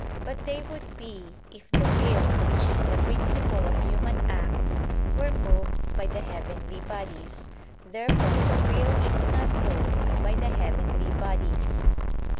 But they would be, if the will, which is the principle of human acts, were moved by the heavenly bodies. Therefore the will is not moved by the heavenly bodies.